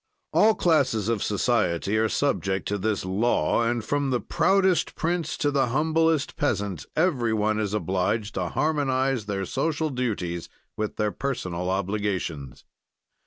"All classes of society are subject to this law, and, from the proudest prince to the humblest peasant, every one is obliged to harmonize their social duties with their personal obligations.